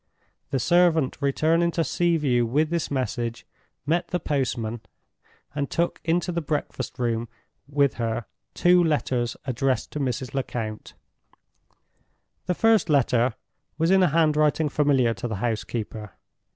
The servant returning to Sea View with this message, met the postman, and took into the breakfast room with her two letters addressed to Mrs. Lecount. The first letter was in a handwriting familiar to the housekeeper.